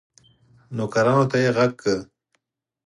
نوکرانو ته یې ږغ کړل